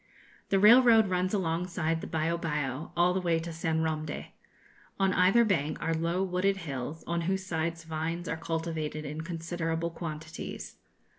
The railroad runs alongside the Bio Bio all the way to San Romde. On either bank are low wooded hills, on whose sides vines are cultivated in considerable quantities.